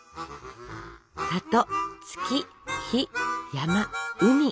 「里」「月」「日」「山」「海」